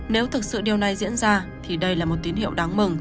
nếu thực sự điều này diễn ra thì đây là một tín hiệu đáng mừng